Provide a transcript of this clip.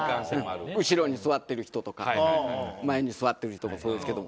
後ろに座ってる人とか前に座ってる人もそうですけど。